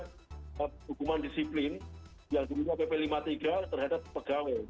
hukuman disiplin yang diberikan pp lima puluh tiga terhadap pegawai